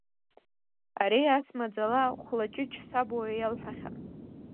Ари ас маӡала Хәлаҷыҷ Сабуа иалҳәахьан.